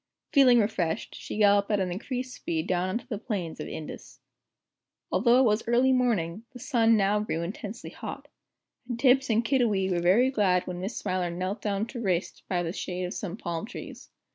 Feeling refreshed, she galloped at an increased speed down on to the plains of Indus. Although it was early morning, the sun now grew intensely hot. And Tibbs and Kiddiwee were very glad when Miss Smiler knelt down to rest beneath the shade of some tall palm trees.